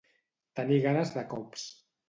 Tenir ganes de cops.